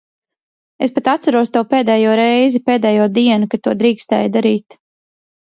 Es pat atceros to pēdējo reizi, pēdējo dienu, kad to drīkstēja darīt.